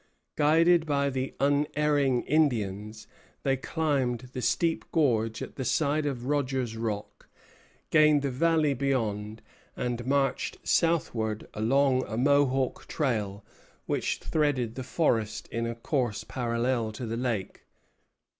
Guided by the unerring Indians, they climbed the steep gorge at the side of Rogers Rock, gained the valley beyond, and marched southward along a Mohawk trail which threaded the forest in a course parallel to the lake.